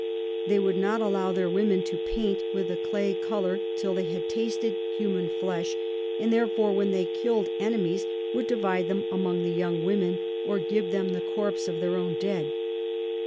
They would not allow their Women to paint with a Clay colour till they had tasted human Flesh; and therefore when they kill'd Enemies, would divide them among the young Women, or give them the Corpse of their own Dead.